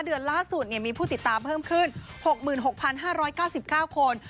เดือนล่าสุดเนี้ยมีผู้ติดตามเพิ่มขึ้นหกหมื่นหกพันห้าร้อยกล้าสิบค่าวคน